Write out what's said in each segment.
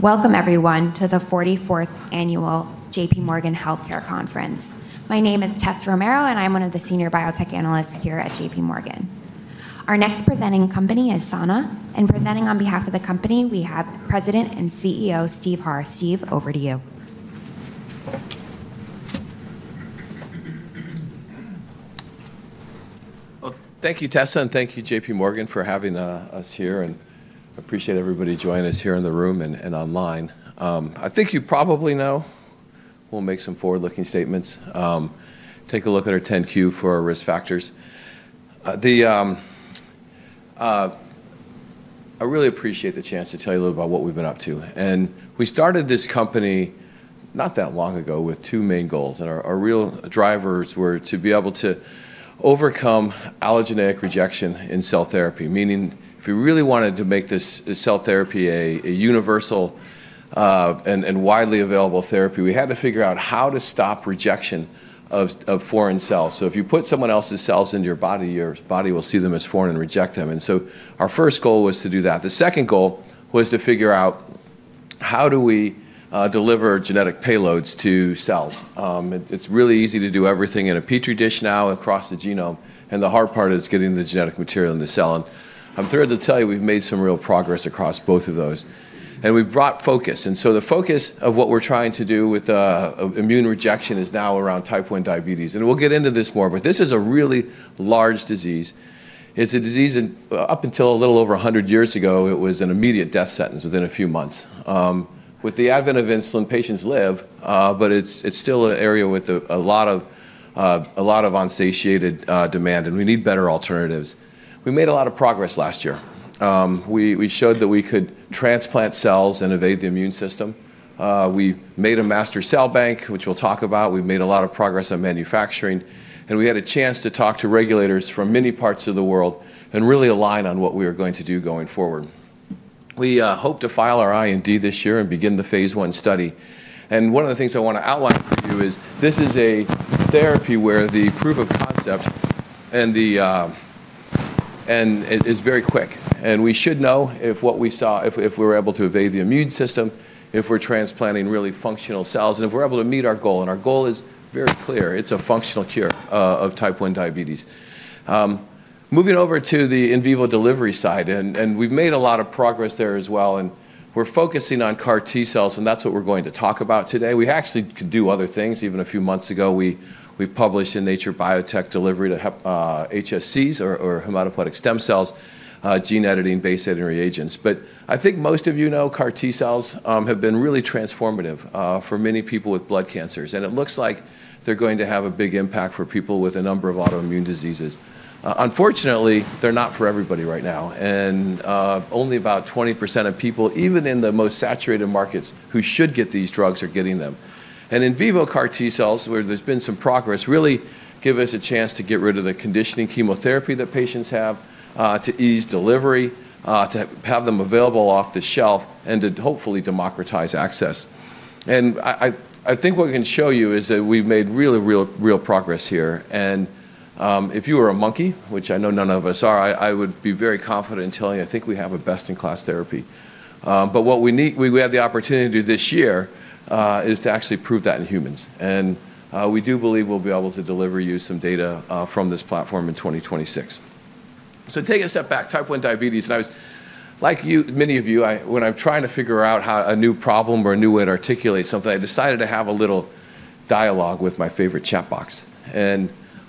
Welcome, everyone, to the 44th Annual J.P. Morgan Healthcare Conference. My name is Tess Romero, and I'm one of the Senior Biotech Analysts here at J.P. Morgan. Our next presenting company is Sana. And presenting on behalf of the company, we have President and CEO Steve Harr. Steve, over to you. Thank you, Tessa, and thank you, J.P. Morgan, for having us here, and I appreciate everybody joining us here in the room and online. I think you probably know we'll make some forward-looking statements. Take a look at our 10-Q for our risk factors. I really appreciate the chance to tell you a little about what we've been up to, and we started this company not that long ago with two main goals. Our real drivers were to be able to overcome allogeneic rejection in cell therapy, meaning if we really wanted to make this cell therapy a universal and widely available therapy, we had to figure out how to stop rejection of foreign cells, so if you put someone else's cells into your body, your body will see them as foreign and reject them, and so our first goal was to do that. The second goal was to figure out how do we deliver genetic payloads to cells. It's really easy to do everything in a Petri dish now across the genome. And the hard part is getting the genetic material in the cell. And I'm thrilled to tell you we've made some real progress across both of those. And we've brought focus. And so the focus of what we're trying to do with immune rejection is now around type 1 diabetes. And we'll get into this more. But this is a really large disease. It's a disease that up until a little over 100 years ago, it was an immediate death sentence within a few months. With the advent of insulin, patients live. But it's still an area with a lot of unsatiated demand. And we need better alternatives. We made a lot of progress last year. We showed that we could transplant cells and evade the immune system. We made a master cell bank, which we'll talk about. We've made a lot of progress on manufacturing, and we had a chance to talk to regulators from many parts of the world and really align on what we are going to do going forward. We hope to file our IND this year and begin the phase I study, and one of the things I want to outline for you is this is a therapy where the proof of concept is very quick, and we should know if what we saw, if we were able to evade the immune system, if we're transplanting really functional cells, and if we're able to meet our goal, and our goal is very clear. It's a functional cure of type 1 diabetes. Moving over to the in vivo delivery side. And we've made a lot of progress there as well. And we're focusing on CAR T cells. And that's what we're going to talk about today. We actually could do other things. Even a few months ago, we published in Nature Biotech delivery to HSCs, or hematopoietic stem cells, gene editing, base editing reagents. But I think most of you know CAR T cells have been really transformative for many people with blood cancers. And it looks like they're going to have a big impact for people with a number of autoimmune diseases. Unfortunately, they're not for everybody right now. And only about 20% of people, even in the most saturated markets, who should get these drugs are getting them. In vivo CAR T cells, where there's been some progress, really give us a chance to get rid of the conditioning chemotherapy that patients have, to ease delivery, to have them available off the shelf, and to hopefully democratize access. I think what we can show you is that we've made really, real, real progress here. If you were a monkey, which I know none of us are, I would be very confident in telling you I think we have a best-in-class therapy. What we need, we have the opportunity to do this year, is to actually prove that in humans. We do believe we'll be able to deliver you some data from this platform in 2026. Take a step back. Type 1 diabetes. I was, like many of you, when I'm trying to figure out how a new problem or a new way to articulate something, I decided to have a little dialogue with my favorite chat box.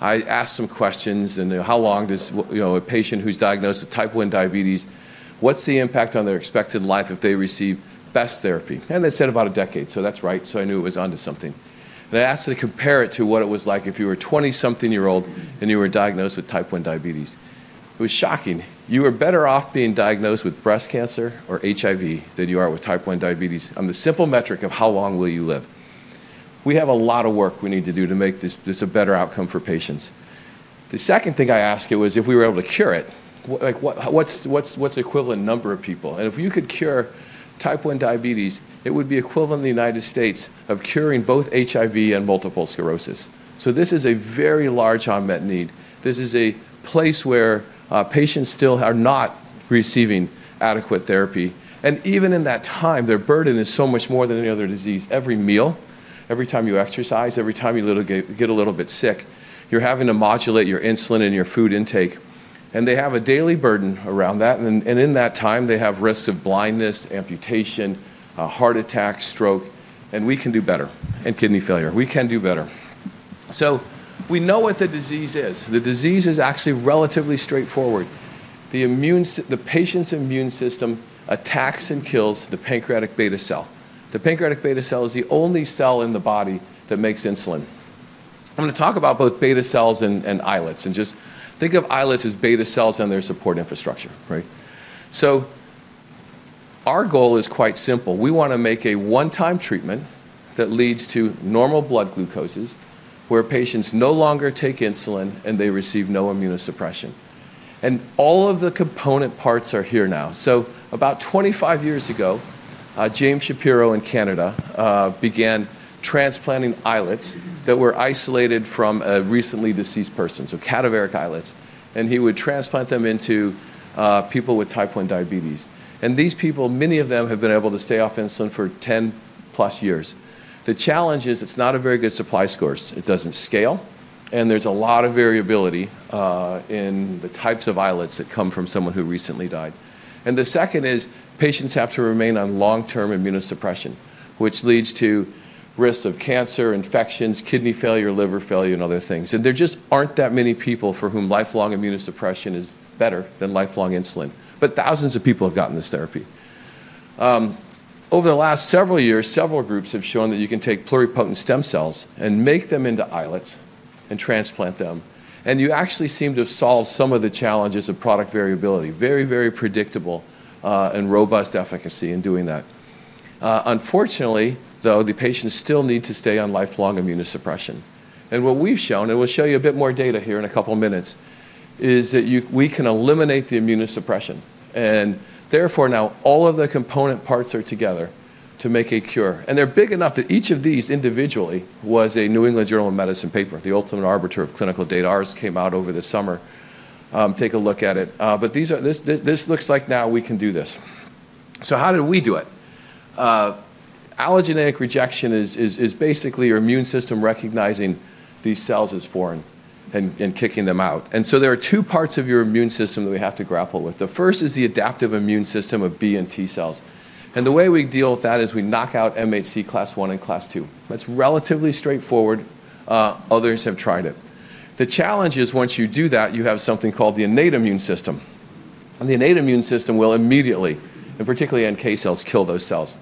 I asked some questions. How long does a patient who's diagnosed with type 1 diabetes live? What's the impact on their expected life if they receive best therapy? They said about a decade. That's right. I knew it was onto something. I asked them to compare it to what it was like if you were a 20-something-year-old and you were diagnosed with type 1 diabetes. It was shocking. You are better off being diagnosed with breast cancer or HIV than you are with type 1 diabetes on the simple metric of how long will you live. We have a lot of work we need to do to make this a better outcome for patients. The second thing I asked it was if we were able to cure it. What's the equivalent number of people? And if you could cure type 1 diabetes, it would be equivalent in the United States of curing both HIV and multiple sclerosis. So this is a very large unmet need. This is a place where patients still are not receiving adequate therapy. And even in that time, their burden is so much more than any other disease. Every meal, every time you exercise, every time you get a little bit sick, you're having to modulate your insulin and your food intake. And they have a daily burden around that. And in that time, they have risks of blindness, amputation, heart attack, stroke. And we can do better. And kidney failure. We can do better, so we know what the disease is. The disease is actually relatively straightforward. The patient's immune system attacks and kills the pancreatic beta cell. The pancreatic beta cell is the only cell in the body that makes insulin. I'm going to talk about both beta cells and islets, and just think of islets as beta cells and their support infrastructure, so our goal is quite simple. We want to make a one-time treatment that leads to normal blood glucoses where patients no longer take insulin and they receive no immunosuppression, and all of the component parts are here now, so about 25 years ago, James Shapiro in Canada began transplanting islets that were isolated from a recently deceased person, so cadaveric islets, and he would transplant them into people with type 1 diabetes. These people, many of them have been able to stay off insulin for 10-plus years. The challenge is it's not a very good supply source. It doesn't scale. There's a lot of variability in the types of islets that come from someone who recently died. The second is patients have to remain on long-term immunosuppression, which leads to risks of cancer, infections, kidney failure, liver failure, and other things. There just aren't that many people for whom lifelong immunosuppression is better than lifelong insulin. Thousands of people have gotten this therapy. Over the last several years, several groups have shown that you can take pluripotent stem cells and make them into islets and transplant them. You actually seem to have solved some of the challenges of product variability, very, very predictable and robust efficacy in doing that. Unfortunately, though, the patients still need to stay on lifelong immunosuppression, and what we've shown, and we'll show you a bit more data here in a couple of minutes, is that we can eliminate the immunosuppression, and therefore, now all of the component parts are together to make a cure, and they're big enough that each of these individually was a New England Journal of Medicine paper, the ultimate arbiter of clinical data. Ours came out over the summer. Take a look at it, but this looks like now we can do this, so how did we do it? Allogeneic rejection is basically your immune system recognizing these cells as foreign and kicking them out, and so there are two parts of your immune system that we have to grapple with. The first is the adaptive immune system of B and T cells. The way we deal with that is we knock out MHC Class I and Class II. That's relatively straightforward. Others have tried it. The challenge is once you do that, you have something called the innate immune system. The innate immune system will immediately, and particularly NK cells, kill those cells.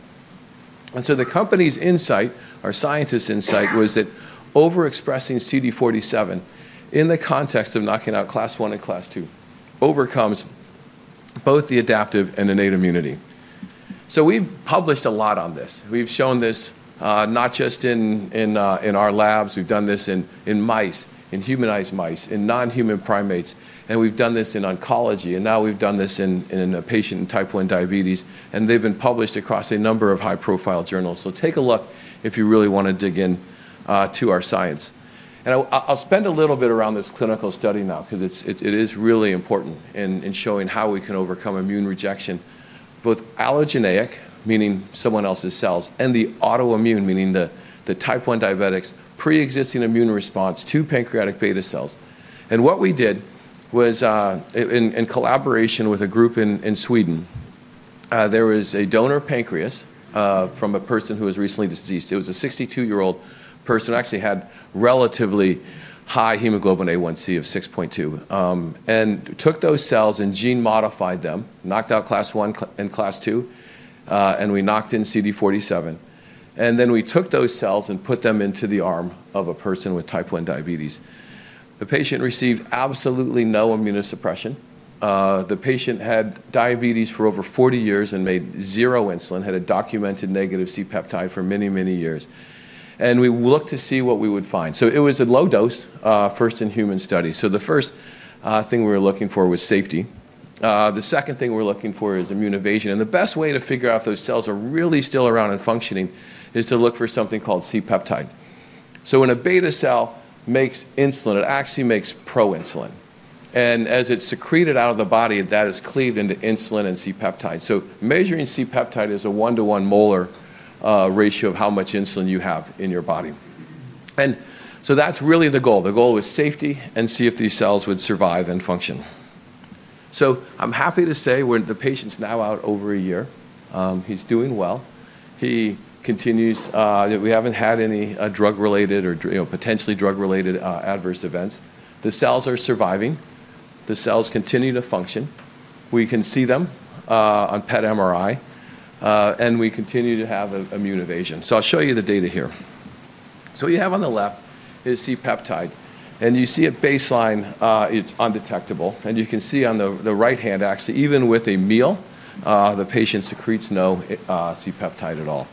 The company's insight, our scientists' insight, was that overexpressing CD47 in the context of knocking out Class I and Class II overcomes both the adaptive and innate immunity. We've published a lot on this. We've shown this not just in our labs. We've done this in mice, in humanized mice, in non-human primates. We've done this in oncology. Now we've done this in a patient in type 1 diabetes. They've been published across a number of high-profile journals. Take a look if you really want to dig into our science. And I'll spend a little bit around this clinical study now because it is really important in showing how we can overcome immune rejection, both allogeneic, meaning someone else's cells, and the autoimmune, meaning the type 1 diabetics' pre-existing immune response to pancreatic beta cells. And what we did was, in collaboration with a group in Sweden, there was a donor pancreas from a person who was recently deceased. It was a 62-year-old person who actually had relatively high Hemoglobin A1c of 6.2. And took those cells and gene modified them, knocked out Class I and Class II. And we knocked in CD47. And then we took those cells and put them into the arm of a person with type 1 diabetes. The patient received absolutely no immunosuppression. The patient had diabetes for over 40 years and made zero insulin, had a documented negative C-peptide for many, many years. We looked to see what we would find. So it was a low-dose, first-in-human study. So the first thing we were looking for was safety. The second thing we're looking for is immune evasion. And the best way to figure out if those cells are really still around and functioning is to look for something called C-peptide. So when a beta cell makes insulin, it actually makes proinsulin. And as it's secreted out of the body, that is cleaved into insulin and C-peptide. So measuring C-peptide is a one-to-one molar ratio of how much insulin you have in your body. And so that's really the goal. The goal was safety and see if these cells would survive and function. So I'm happy to say the patient is now out over a year. He's doing well. We haven't had any drug-related or potentially drug-related adverse events. The cells are surviving. The cells continue to function. We can see them on PET MRI, and we continue to have immune evasion, so I'll show you the data here, so what you have on the left is C-peptide, and you see at baseline, it's undetectable, and you can see on the right hand, actually, even with a meal, the patient secretes no C-peptide at all,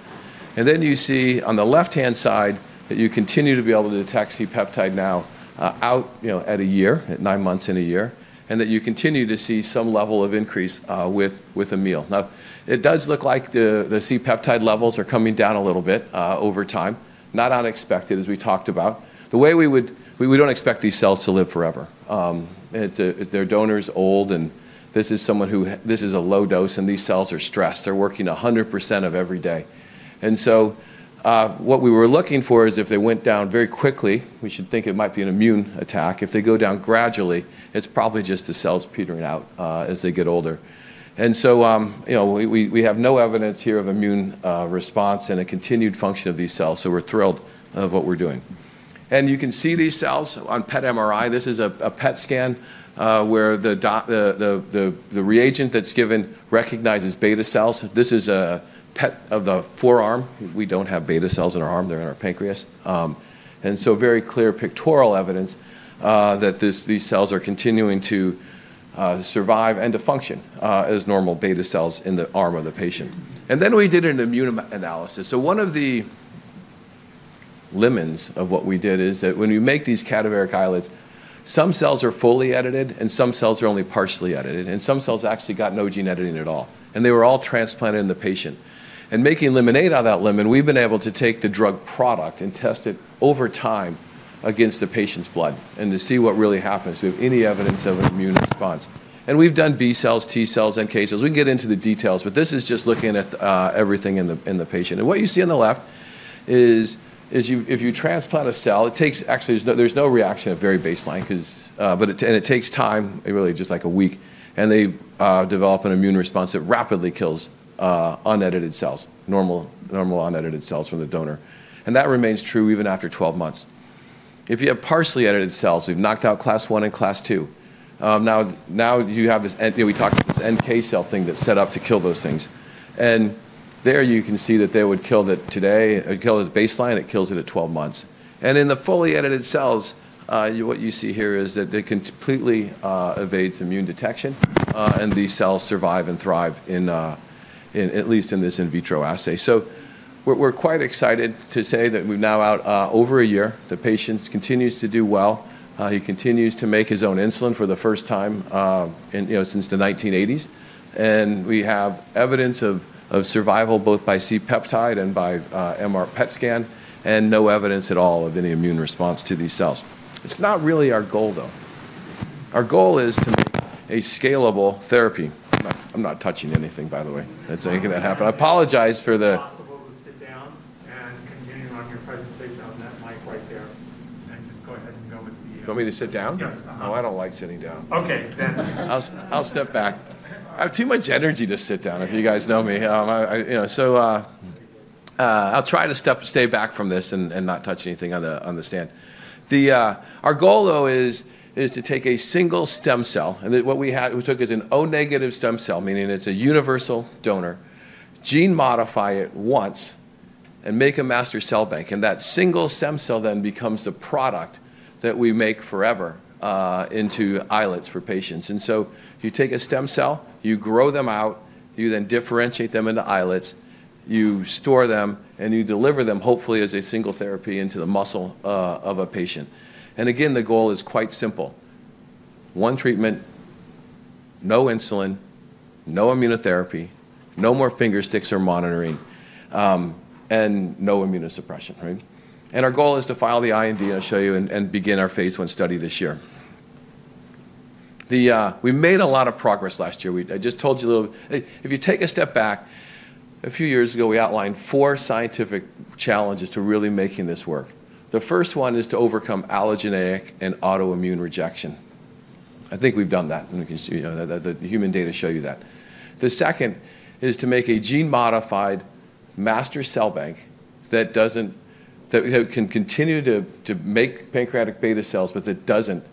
and then you see on the left-hand side that you continue to be able to detect C-peptide now out at a year, at nine months in a year, and that you continue to see some level of increase with a meal. Now, it does look like the C-peptide levels are coming down a little bit over time, not unexpected, as we talked about. The way we would, we don't expect these cells to live forever. Their donor's old, and this is someone who, this is a low dose. These cells are stressed. They're working 100% of every day. So what we were looking for is if they went down very quickly, we should think it might be an immune attack. If they go down gradually, it's probably just the cells petering out as they get older. We have no evidence here of immune response and a continued function of these cells. We're thrilled with what we're doing. You can see these cells on PET MRI. This is a PET scan where the reagent that's given recognizes beta cells. This is a PET of the forearm. We don't have beta cells in our arm. They're in our pancreas. Very clear pictorial evidence that these cells are continuing to survive and to function as normal beta cells in the arm of the patient. Then we did an immune analysis. One of the lemons of what we did is that when you make these cadaveric islets, some cells are fully edited, and some cells are only partially edited. And some cells actually got no gene editing at all. And they were all transplanted in the patient. And making lemonade out of that lemon, we've been able to take the drug product and test it over time against the patient's blood and to see what really happens with any evidence of an immune response. And we've done B cells, T cells, NK cells. We can get into the details. But this is just looking at everything in the patient. And what you see on the left is if you transplant a cell, it takes actually, there's no reaction at very baseline. And it takes time, really, just like a week. And they develop an immune response that rapidly kills unedited cells, normal unedited cells from the donor. And that remains true even after 12 months. If you have partially edited cells, we've knocked out Class I and Class II. Now, you have this we talked about this NK cell thing that's set up to kill those things. And there you can see that they would kill it today. It kills at baseline. It kills it at 12 months. And in the fully edited cells, what you see here is that it completely evades immune detection. And these cells survive and thrive, at least in this in vitro assay. So we're quite excited to say that we're now out over a year. The patient continues to do well. He continues to make his own insulin for the first time since the 1980s. We have evidence of survival both by C-peptide and by PET MRI scan, and no evidence at all of any immune response to these cells. It's not really our goal, though. Our goal is to make a scalable therapy. I'm not touching anything, by the way. That's not going to happen. It's possible to sit down and continue on your presentation on that mic right there. Just go ahead and go with the. You want me to sit down? Yes. No, I don't like sitting down. Okay. Then. I'll step back. I have too much energy to sit down, if you guys know me. So I'll try to stay back from this and not touch anything on the stand. Our goal, though, is to take a single stem cell. And what we took is an O-negative stem cell, meaning it's a universal donor, gene modify it once, and make a master cell bank. And that single stem cell then becomes the product that we make forever into islets for patients. And so you take a stem cell, you grow them out, you then differentiate them into islets, you store them, and you deliver them, hopefully, as a single therapy into the muscle of a patient. And again, the goal is quite simple. One treatment, no insulin, no immunotherapy, no more fingersticks or monitoring, and no immunosuppression. Our goal is to file the IND. I'll show you, and begin our phase I study this year. We made a lot of progress last year. I just told you a little. If you take a step back, a few years ago, we outlined four scientific challenges to really making this work. The first one is to overcome allogeneic and autoimmune rejection. I think we've done that. The human data show you that. The second is to make a gene modified master cell bank that can continue to make pancreatic beta cells, but that doesn't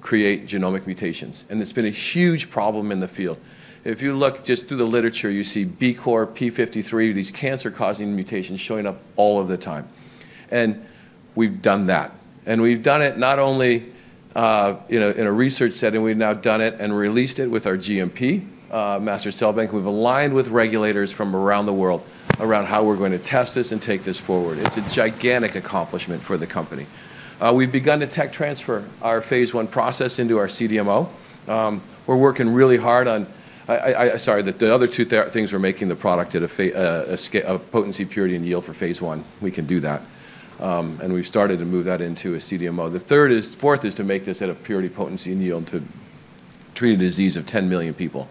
create genomic mutations. And it's been a huge problem in the field. If you look just through the literature, you see BCOR, p53, these cancer-causing mutations showing up all of the time. And we've done that. We've done it not only in a research setting. We've now done it and released it with our GMP master cell bank. We've aligned with regulators from around the world around how we're going to test this and take this forward. It's a gigantic accomplishment for the company. We've begun to tech transfer our phase I process into our CDMO. We're working really hard on the other two things. We're making the product at a potency, purity, and yield for phase I. We can do that. And we've started to move that into a CDMO. The fourth is to make this at a purity, potency, and yield to treat a disease of 10 million people.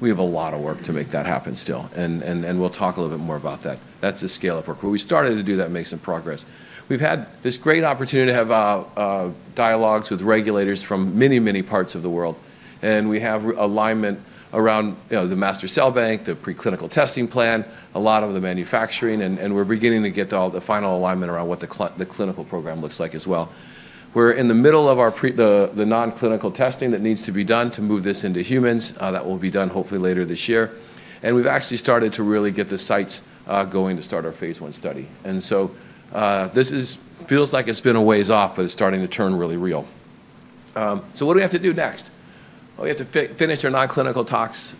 We have a lot of work to make that happen still. And we'll talk a little bit more about that. That's the scale of work. But we started to do that and make some progress. We've had this great opportunity to have dialogues with regulators from many, many parts of the world. And we have alignment around the master cell bank, the preclinical testing plan, a lot of the manufacturing. And we're beginning to get the final alignment around what the clinical program looks like as well. We're in the middle of the non-clinical testing that needs to be done to move this into humans. That will be done, hopefully, later this year. And we've actually started to really get the sites going to start our phase I study. And so this feels like it's been a ways off, but it's starting to turn really real. So what do we have to do next? We have to finish our non-clinical tox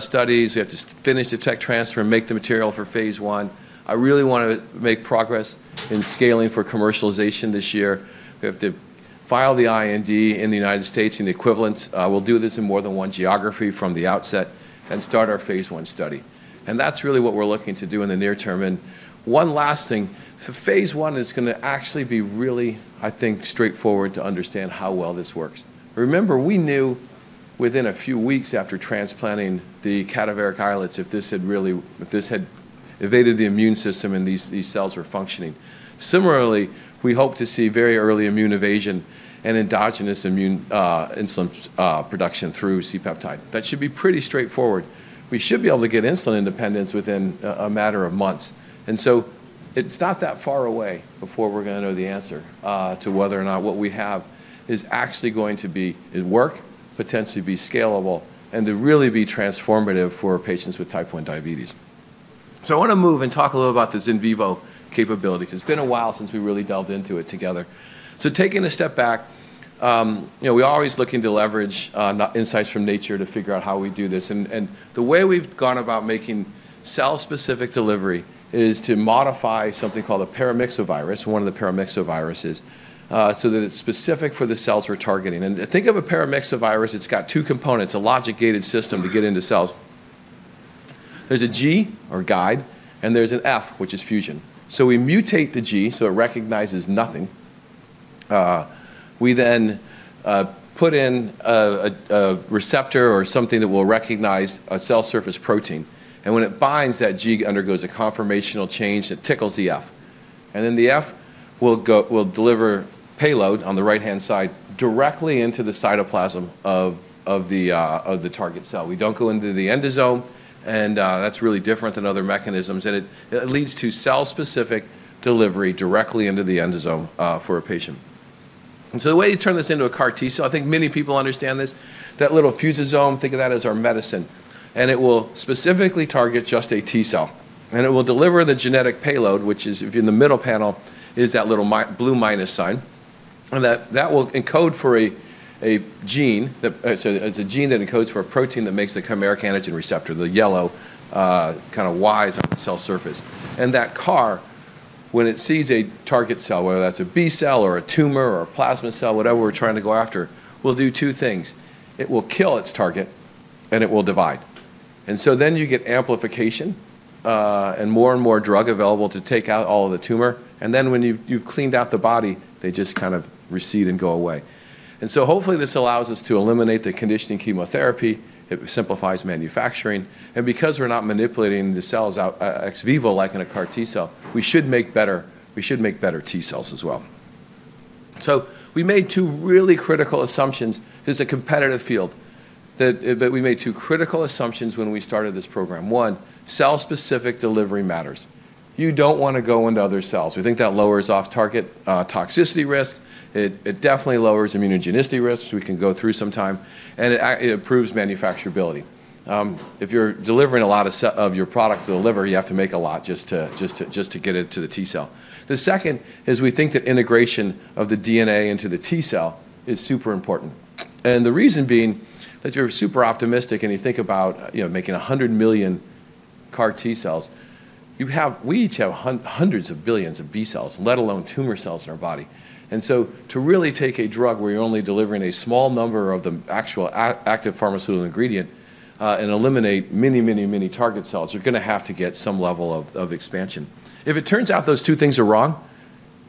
studies. We have to finish the tech transfer, make the material for phase I. I really want to make progress in scaling for commercialization this year. We have to file the IND in the United States and the equivalent. We'll do this in more than one geography from the outset and start our phase I study. And that's really what we're looking to do in the near term. And one last thing, phase I is going to actually be really, I think, straightforward to understand how well this works. Remember, we knew within a few weeks after transplanting the cadaveric islets if this had evaded the immune system and these cells were functioning. Similarly, we hope to see very early immune evasion and endogenous insulin production through C-peptide. That should be pretty straightforward. We should be able to get insulin independence within a matter of months. And so it's not that far away before we're going to know the answer to whether or not what we have is actually going to work, potentially be scalable, and to really be transformative for patients with type 1 diabetes. So I want to move and talk a little about this in vivo capability. It's been a while since we really delved into it together. So taking a step back, we're always looking to leverage insights from nature to figure out how we do this. And the way we've gone about making cell-specific delivery is to modify something called a paramyxovirus, one of the paramyxoviruses, so that it's specific for the cells we're targeting. And think of a paramyxovirus. It's got two components, a logic-gated system to get into cells. There's a G, or guide, and there's an F, which is fusion. So we mutate the G so it recognizes nothing. We then put in a receptor or something that will recognize a cell surface protein. And when it binds, that G undergoes a conformational change that tickles the F. And then the F will deliver payload on the right-hand side directly into the cytoplasm of the target cell. We don't go into the endosome. And that's really different than other mechanisms. And it leads to cell-specific delivery directly into the endosome for a patient. And so the way you turn this into a CAR T cell, I think many people understand this, that little fusosome, think of that as our medicine. And it will specifically target just a T cell. And it will deliver the genetic payload, which is in the middle panel, is that little blue minus sign. And that will encode for a gene that it's a gene that encodes for a protein that makes the chimeric antigen receptor, the yellow kind of Ys on the cell surface. And that CAR, when it sees a target cell, whether that's a B cell or a tumor or a plasma cell, whatever we're trying to go after, will do two things. It will kill its target, and it will divide. And so then you get amplification and more and more drug available to take out all of the tumor. And then when you've cleaned out the body, they just kind of recede and go away. And so hopefully, this allows us to eliminate the conditioning chemotherapy. It simplifies manufacturing. And because we're not manipulating the cells ex vivo like in a CAR T cell, we should make better T cells as well. So we made two really critical assumptions. It's a competitive field, but we made two critical assumptions when we started this program. One, cell-specific delivery matters. You don't want to go into other cells. We think that lowers off-target toxicity risk. It definitely lowers immunogenicity risks, which we can go through sometime. And it improves manufacturability. If you're delivering a lot of your product to deliver, you have to make a lot just to get it to the T cell. The second is we think that integration of the DNA into the T cell is super important. And the reason being that you're super optimistic and you think about making 100 million CAR T cells, we each have hundreds of billions of B cells, let alone tumor cells in our body. And so to really take a drug where you're only delivering a small number of the actual active pharmaceutical ingredient and eliminate many, many, many target cells, you're going to have to get some level of expansion. If it turns out those two things are wrong,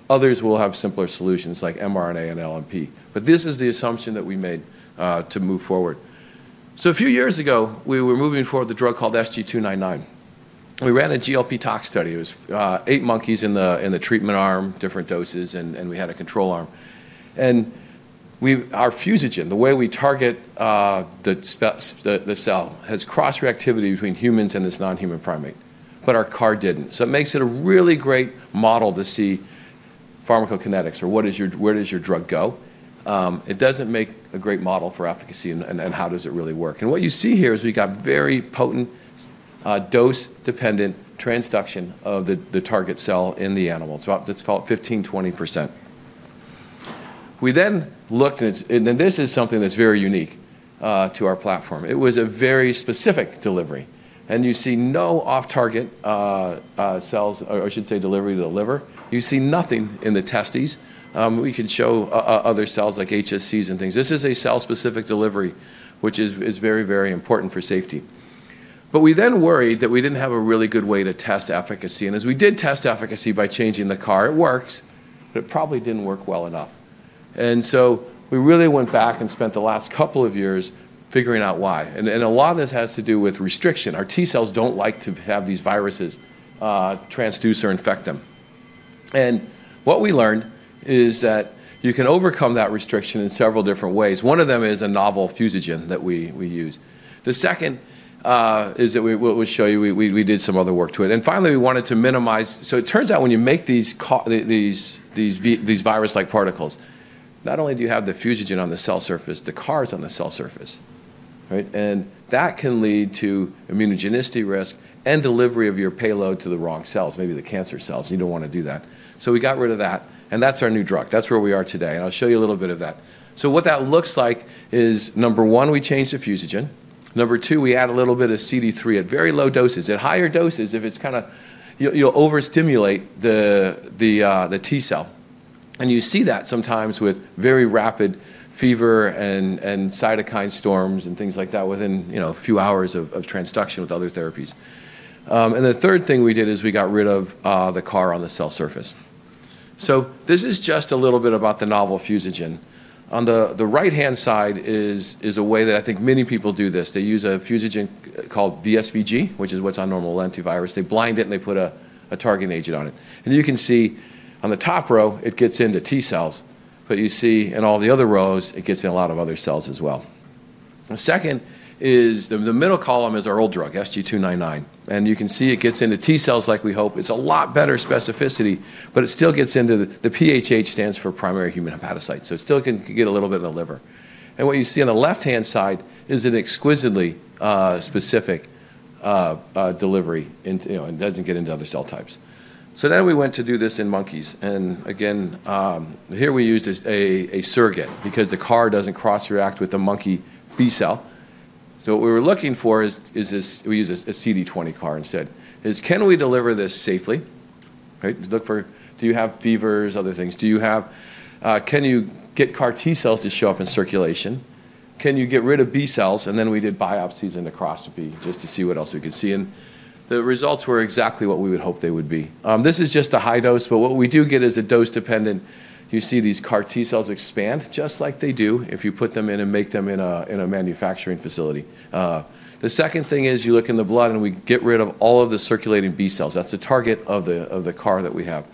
others will have simpler solutions like mRNA and LNP. But this is the assumption that we made to move forward. So a few years ago, we were moving forward with a drug called SG299. We ran a GLP-tox study. It was eight monkeys in the treatment arm, different doses, and we had a control arm. And our fusogen, the way we target the cell, has cross-reactivity between humans and this non-human primate. But our CAR didn't. So it makes it a really great model to see pharmacokinetics or where does your drug go. It doesn't make a great model for efficacy and how does it really work. What you see here is we got very potent dose-dependent transduction of the target cell in the animal. It's about, let's call it 15%-20%. We then looked, and this is something that's very unique to our platform. It was a very specific delivery. You see no off-target cells, or I should say delivery to the liver. You see nothing in the testes. We can show other cells like HSCs and things. This is a cell-specific delivery, which is very, very important for safety. We then worried that we didn't have a really good way to test efficacy. As we did test efficacy by changing the CAR, it works, but it probably didn't work well enough. We really went back and spent the last couple of years figuring out why. And a lot of this has to do with restriction. Our T cells don't like to have these viruses transduce or infect them. And what we learned is that you can overcome that restriction in several different ways. One of them is a novel fusogen that we use. The second is that we'll show you we did some other work to it. And finally, we wanted to minimize. So it turns out when you make these virus-like particles, not only do you have the fusogen on the cell surface, the CAR is on the cell surface. And that can lead to immunogenicity risk and delivery of your payload to the wrong cells, maybe the cancer cells. You don't want to do that. So we got rid of that. And that's our new drug. That's where we are today. And I'll show you a little bit of that. So what that looks like is, number one, we changed the fusogen. Number two, we add a little bit of CD3 at very low doses. At higher doses, if it's kind of you'll overstimulate the T cell. And you see that sometimes with very rapid fever and cytokine storms and things like that within a few hours of transduction with other therapies. And the third thing we did is we got rid of the CAR on the cell surface. So this is just a little bit about the novel fusogen. On the right-hand side is a way that I think many people do this. They use a fusogen called VSV-G, which is what's on a virus. They bind it, and they put a target agent on it. And you can see on the top row, it gets into T cells. But you see in all the other rows, it gets in a lot of other cells as well. Second is the middle column is our old drug, SG299. And you can see it gets into T cells like we hope. It's a lot better specificity, but it still gets into the PHH stands for primary human hepatocytes. So it still can get a little bit of the liver. And what you see on the left-hand side is an exquisitely specific delivery and doesn't get into other cell types. So then we went to do this in monkeys. And again, here we used a surrogate because the CAR doesn't cross-react with the monkey B cell. So what we were looking for is we used a CD20 CAR instead. Is can we deliver this safely? Do you have fevers, other things? Can you get CAR T cells to show up in circulation? Can you get rid of B cells? And then we did biopsies and necropsy just to see what else we could see. And the results were exactly what we would hope they would be. This is just a high dose. But what we do get is a dose-dependent. You see these CAR T cells expand just like they do if you put them in and make them in a manufacturing facility. The second thing is you look in the blood, and we get rid of all of the circulating B cells. That's the target of the CAR that we have.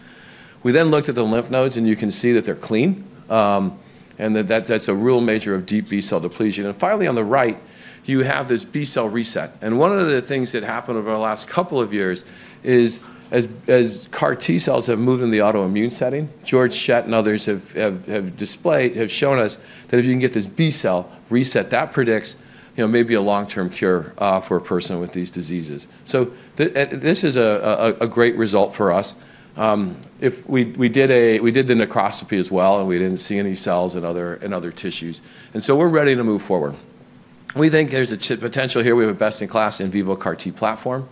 We then looked at the lymph nodes, and you can see that they're clean. And that's a real marker of deep B cell depletion. And finally, on the right, you have this B cell reset. And one of the things that happened over the last couple of years is as CAR T cells have moved in the autoimmune setting, Georg Schett and others have shown us that if you can get this B cell reset, that predicts maybe a long-term cure for a person with these diseases. So this is a great result for us. We did the necropsy as well, and we didn't see any cells in other tissues. And so we're ready to move forward. We think there's a potential here. We have a best-in-class in vivo CAR T platform.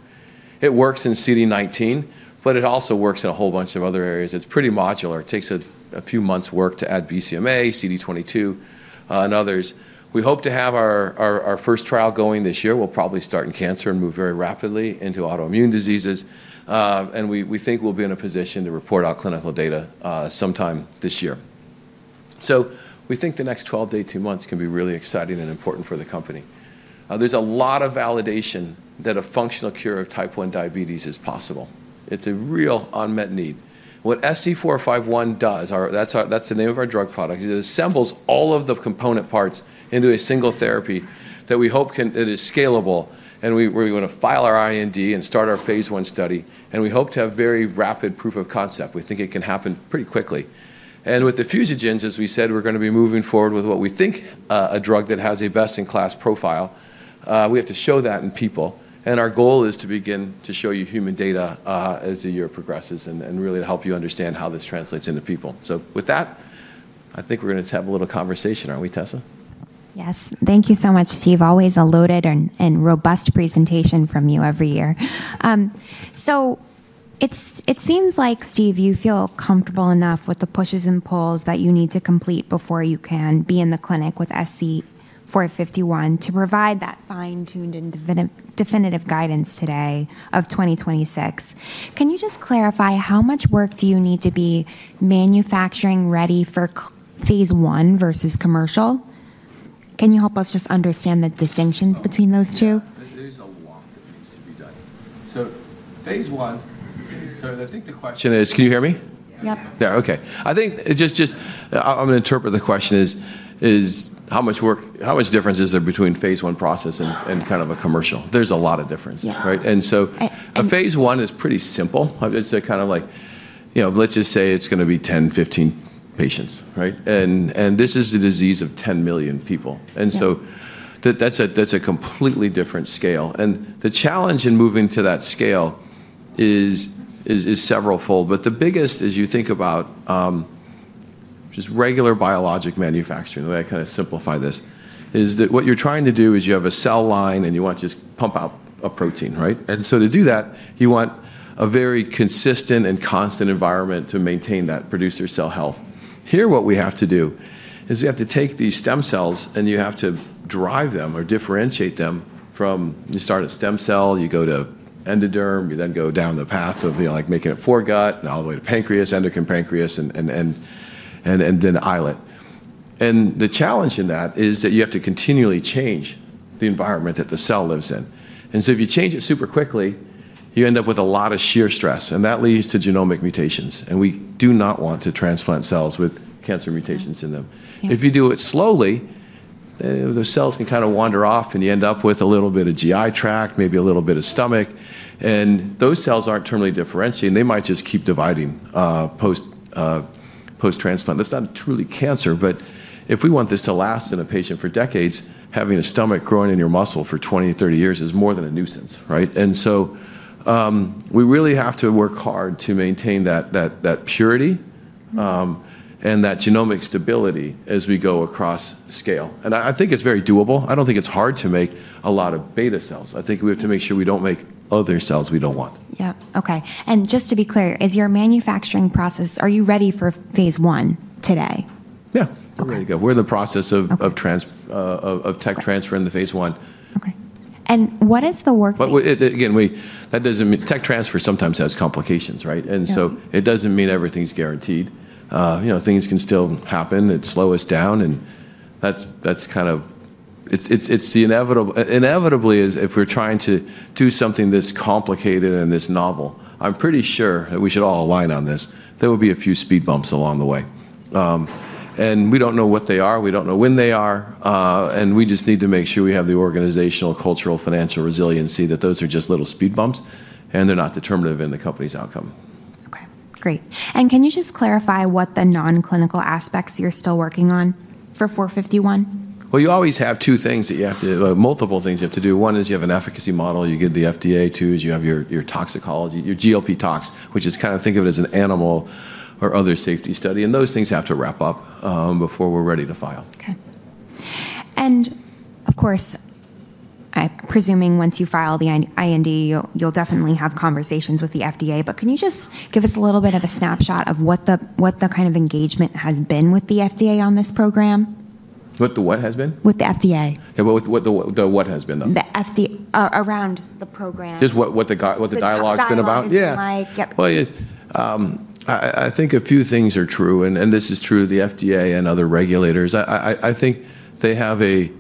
It works in CD19, but it also works in a whole bunch of other areas. It's pretty modular. It takes a few months' work to add BCMA, CD22, and others. We hope to have our first trial going this year. We'll probably start in cancer and move very rapidly into autoimmune diseases. And we think we'll be in a position to report our clinical data sometime this year. So we think the next 12-18 months can be really exciting and important for the company. There's a lot of validation that a functional cure of type 1 diabetes is possible. It's a real unmet need. What SC451 does, that's the name of our drug product, is. It assembles all of the component parts into a single therapy that we hope is scalable. And we're going to file our IND and start our phase I study. And we hope to have very rapid proof of concept. We think it can happen pretty quickly. And with the fusogens, as we said, we're going to be moving forward with what we think is a drug that has a best-in-class profile. We have to show that in people. And our goal is to begin to show you human data as the year progresses and really to help you understand how this translates into people. So with that, I think we're going to have a little conversation, aren't we, Tessa? Yes. Thank you so much, Steve. Always a loaded and robust presentation from you every year. So it seems like, Steve, you feel comfortable enough with the pushes and pulls that you need to complete before you can be in the clinic with SC451 to provide that fine-tuned and definitive guidance today of 2026. Can you just clarify how much work do you need to be manufacturing ready for phase I versus commercial? Can you help us just understand the distinctions between those two? There's a lot that needs to be done. So phase I, so I think the question is, can you hear me? Yep. There. Okay. I think just I'm going to interpret the question as how much difference is there between phase I process and kind of a commercial? There's a lot of difference, right? And so a phase I is pretty simple. It's kind of like, let's just say it's going to be 10, 15 patients, right? And this is a disease of 10 million people. And so that's a completely different scale. And the challenge in moving to that scale is several-fold. But the biggest is you think about just regular biologic manufacturing. The way I kind of simplify this is that what you're trying to do is you have a cell line, and you want to just pump out a protein, right? And so to do that, you want a very consistent and constant environment to maintain that producer cell health. Here, what we have to do is we have to take these stem cells, and you have to drive them or differentiate them, from you start at stem cell, you go to endoderm, you then go down the path of making a foregut and all the way to pancreas, endocrine pancreas, and then islet. And the challenge in that is that you have to continually change the environment that the cell lives in. And so if you change it super quickly, you end up with a lot of shear stress. And that leads to genomic mutations. And we do not want to transplant cells with cancer mutations in them. If you do it slowly, those cells can kind of wander off, and you end up with a little bit of GI tract, maybe a little bit of stomach. And those cells aren't terminally differentiated. They might just keep dividing post-transplant. That's not truly cancer. But if we want this to last in a patient for decades, having a stomach growing in your muscle for 20-30 years is more than a nuisance, right? And so we really have to work hard to maintain that purity and that genomic stability as we go across scale. And I think it's very doable. I don't think it's hard to make a lot of beta cells. I think we have to make sure we don't make other cells we don't want. Yep. Okay. And just to be clear, as your manufacturing process, are you ready for phase I today? Yeah. We're in the process of tech transfer in the phase I. Okay. And what is the work? Again, that doesn't mean tech transfer sometimes has complications, right? And so it doesn't mean everything's guaranteed. Things can still happen. It slows us down. That's kind of it. It's the inevitable. Inevitably, if we're trying to do something this complicated and this novel, I'm pretty sure that we should all align on this, there will be a few speed bumps along the way. We don't know what they are. We don't know when they are. We just need to make sure we have the organizational, cultural, financial resiliency that those are just little speed bumps, and they're not determinative in the company's outcome. Okay. Great. Can you just clarify what the non-clinical aspects you're still working on for 451? Well, you always have multiple things you have to do. One is you have an efficacy model. You get the FDA. Two is you have your toxicology, your GLP-tox, which is kind of think of it as an animal or other safety study. And those things have to wrap up before we're ready to file. Okay. And of course, I'm presuming once you file the IND, you'll definitely have conversations with the FDA. But can you just give us a little bit of a snapshot of what the kind of engagement has been with the FDA on this program? What has been the dialogue like with the FDA around the program? Yep. Well, I think a few things are true. And this is true of the FDA and other regulators. I think they have a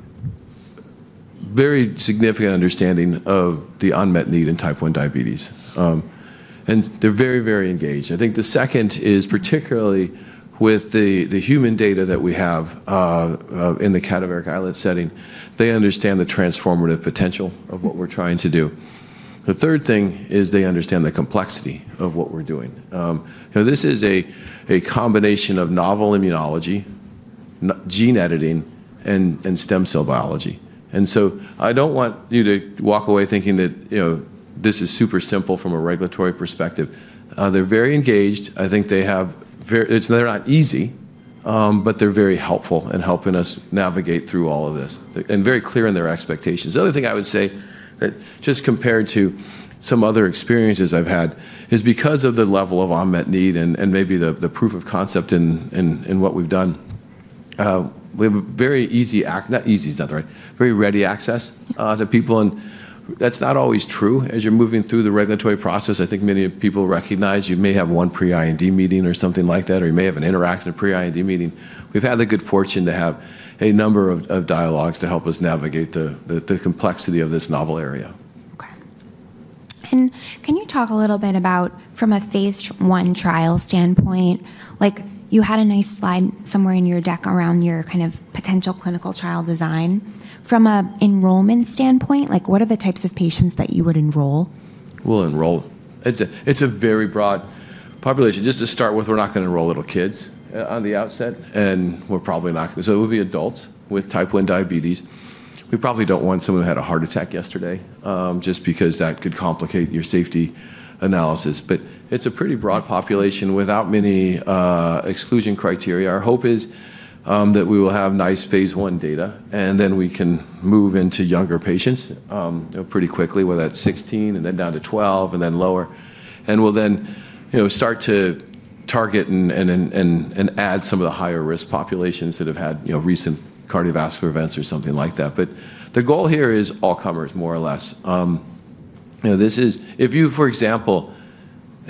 very significant understanding of the unmet need in type 1 diabetes. And they're very, very engaged. I think the second is particularly with the human data that we have in the cadaveric islet setting. They understand the transformative potential of what we're trying to do. The third thing is they understand the complexity of what we're doing. This is a combination of novel immunology, gene editing, and stem cell biology. And so I don't want you to walk away thinking that this is super simple from a regulatory perspective. They're very engaged. I think they have very, they're not easy, but they're very helpful in helping us navigate through all of this and very clear in their expectations. The other thing I would say, just compared to some other experiences I've had, is because of the level of unmet need and maybe the proof of concept in what we've done, we have a very easy not easy, it's not the right very ready access to people. And that's not always true. As you're moving through the regulatory process, I think many people recognize you may have one pre-IND meeting or something like that, or you may have an interactive pre-IND meeting. We've had the good fortune to have a number of dialogues to help us navigate the complexity of this novel area. Okay. And can you talk a little bit about, from a phase I trial standpoint, you had a nice slide somewhere in your deck around your kind of potential clinical trial design. From an enrollment standpoint, what are the types of patients that you would enroll? We'll enroll. It's a very broad population. Just to start with, we're not going to enroll little kids on the outset. And we're probably not going to so it will be adults with type 1 diabetes. We probably don't want someone who had a heart attack yesterday just because that could complicate your safety analysis, but it's a pretty broad population without many exclusion criteria. Our hope is that we will have nice phase I data, and then we can move into younger patients pretty quickly, whether that's 16 and then down to 12 and then lower, and we'll then start to target and add some of the higher-risk populations that have had recent cardiovascular events or something like that, but the goal here is all comers, more or less. If you, for example,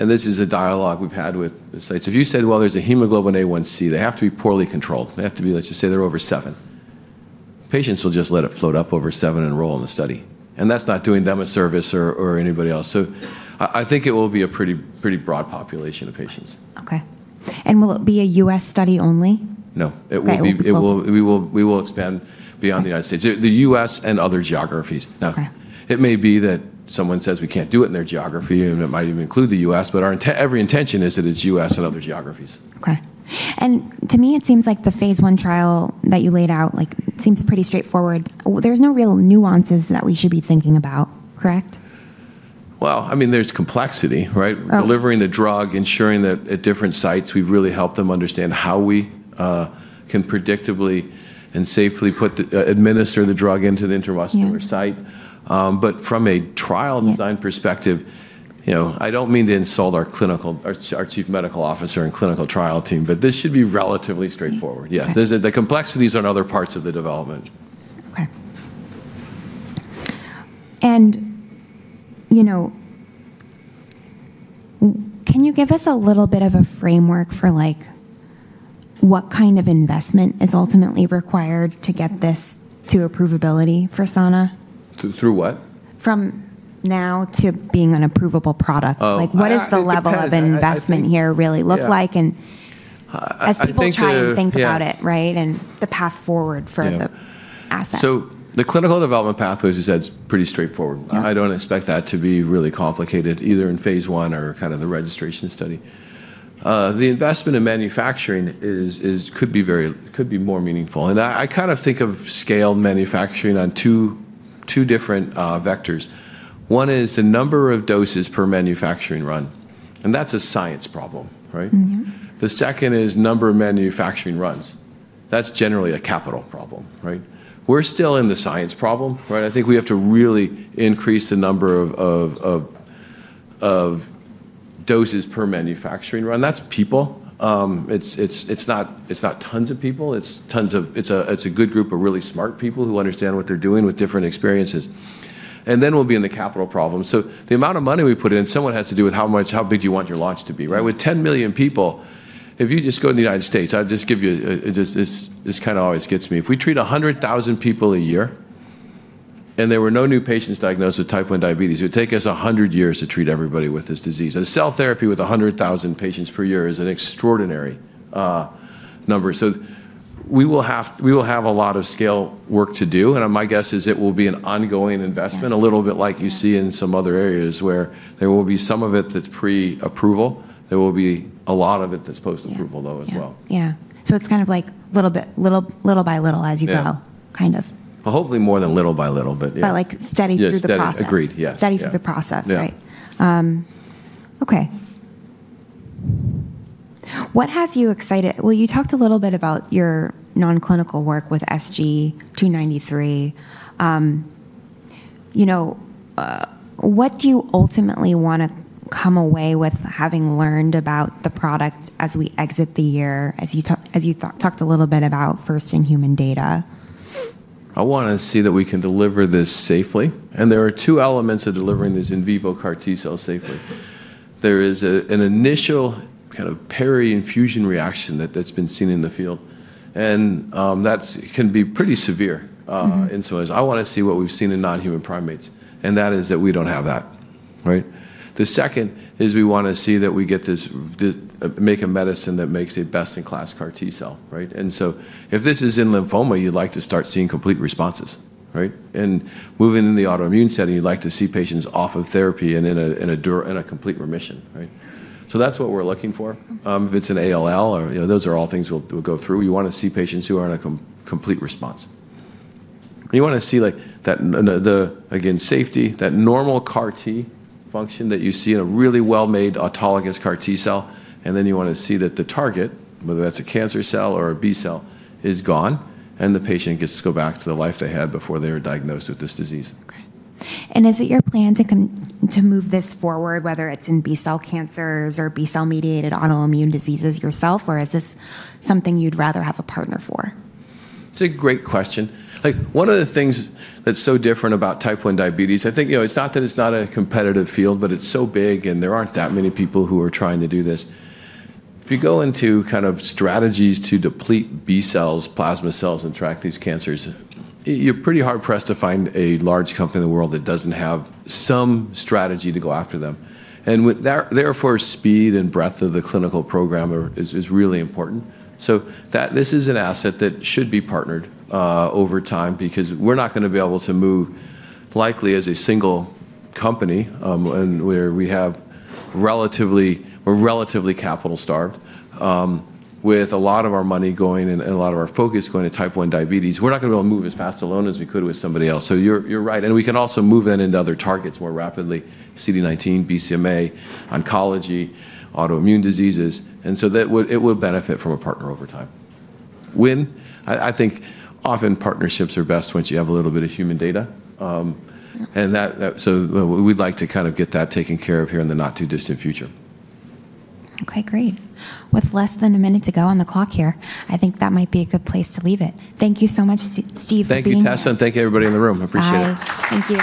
and this is a dialogue we've had with sites, if you said, "Well, there's a hemoglobin A1c, they have to be poorly controlled. They have to be, let's just say they're over seven." Patients will just let it float up over seven and enroll in the study. And that's not doing them a service or anybody else. So I think it will be a pretty broad population of patients. Okay. And will it be a U.S. study only? No. It will be. We will expand beyond the United States, the U.S. and other geographies. Now, it may be that someone says we can't do it in their geography, and it might even include the U.S. But every intention is that it's U.S. and other geographies. Okay. And to me, it seems like the phase I trial that you laid out seems pretty straightforward. There's no real nuances that we should be thinking about, correct? Well, I mean, there's complexity, right? Delivering the drug, ensuring that at different sites, we've really helped them understand how we can predictably and safely administer the drug into the intramuscular site. But from a trial design perspective, I don't mean to insult our chief medical officer and clinical trial team, but this should be relatively straightforward. Yes. The complexities are in other parts of the development. Okay. And can you give us a little bit of a framework for what kind of investment is ultimately required to get this to approvability for Sana? Through what? From now to being an approvable product. What does the level of investment here really look like? And as people try and think about it, right, and the path forward for the asset. So the clinical development pathways, as you said, is pretty straightforward. I don't expect that to be really complicated either in phase I or kind of the registration study. The investment in manufacturing could be more meaningful. And I kind of think of scale manufacturing on two different vectors. One is the number of doses per manufacturing run. And that's a science problem, right? The second is number of manufacturing runs. That's generally a capital problem, right? We're still in the science problem, right? I think we have to really increase the number of doses per manufacturing run. That's people. It's not tons of people. It's a good group of really smart people who understand what they're doing with different experiences. And then we'll be in the capital problem. So the amount of money we put in, someone has to do with how big you want your launch to be, right? With 10 million people, if you just go to the United States, I'll just give you this kind of always gets me. If we treat 100,000 people a year and there were no new patients diagnosed with type 1 diabetes, it would take us 100 years to treat everybody with this disease. Cell therapy with 100,000 patients per year is an extraordinary number. We will have a lot of scale work to do. My guess is it will be an ongoing investment, a little bit like you see in some other areas where there will be some of it that's pre-approval. There will be a lot of it that's post-approval, though, as well. Yeah. It's kind of like little by little as you go, kind of. Hopefully more than little by little, but yeah. Steady through the process. Yes. Agreed. Yeah. Steady through the process, right? Okay. What has you excited? You talked a little bit about your non-clinical work with SG299. What do you ultimately want to come away with having learned about the product as we exit the year, as you talked a little bit about first-in-human data? I want to see that we can deliver this safely. And there are two elements of delivering this in vivo CAR T-cell safely. There is an initial kind of peri-infusion reaction that's been seen in the field. And that can be pretty severe in some ways. I want to see what we've seen in non-human primates. And that is that we don't have that, right? The second is we want to see that we make a medicine that makes a best-in-class CAR T-cell, right? And so if this is in lymphoma, you'd like to start seeing complete responses, right? And moving in the autoimmune setting, you'd like to see patients off of therapy and in a complete remission, right? So that's what we're looking for. If it's an ALL, those are all things we'll go through. You want to see patients who are in a complete response. You want to see that, again, safety, that normal CAR T function that you see in a really well-made autologous CAR T-cell. And then you want to see that the target, whether that's a cancer cell or a B cell, is gone and the patient gets to go back to the life they had before they were diagnosed with this disease. Okay. And is it your plan to move this forward, whether it's in B cell cancers or B cell-mediated autoimmune diseases yourself, or is this something you'd rather have a partner for? It's a great question. One of the things that's so different about type 1 diabetes, I think it's not that it's not a competitive field, but it's so big and there aren't that many people who are trying to do this. If you go into kind of strategies to deplete B cells, plasma cells, and track these cancers, you're pretty hard-pressed to find a large company in the world that doesn't have some strategy to go after them. And therefore, speed and breadth of the clinical program is really important. So this is an asset that should be partnered over time because we're not going to be able to move likely as a single company where we have we're relatively capital-starved. With a lot of our money going and a lot of our focus going to type 1 diabetes, we're not going to be able to move as fast alone as we could with somebody else. So you're right. And we can also move then into other targets more rapidly: CD19, BCMA, oncology, autoimmune diseases. And so it would benefit from a partner over time. When I think often partnerships are best once you have a little bit of human data. And so we'd like to kind of get that taken care of here in the not-too-distant future. Okay. Great. With less than a minute to go on the clock here, I think that might be a good place to leave it. Thank you so much, Steve Harr. Thank you, Tessa, and thank you, everybody in the room. I appreciate it. Thank you.